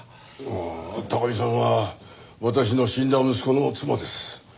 ああ貴巳さんは私の死んだ息子の妻です。